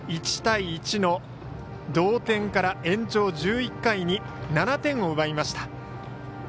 １対１の同点から延長１１回に７点を奪いました。